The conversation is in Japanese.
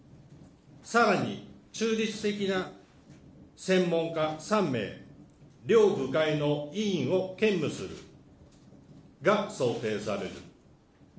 さらに中立的な専門家３名、両部会の委員を兼務する、が、想定される。